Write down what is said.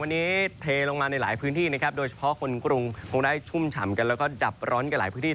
วันนี้เทลงมาในหลายพื้นที่นะครับโดยเฉพาะคนกรุงคงได้ชุ่มฉ่ำกันแล้วก็ดับร้อนกันหลายพื้นที่